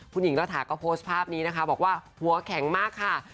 คุณหญิงระถาก็โพสต์ภาพนี้นะคะบอกว่าหัวแข็งมากค่ะ